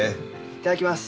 いただきます。